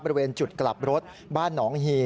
บริเวณจุดกลับรถบ้านหนองฮี